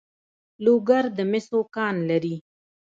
لوګر د مسو کان لري